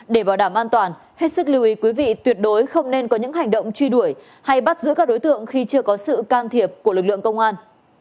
để bảo đảm an toàn hết sức lưu ý quý vị tuyệt đối không nên có những hành động truy đuổi hay bắt giữ các đối tượng khi chưa có sự can thiệp của lực lượng công an